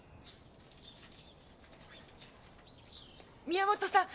宮元さん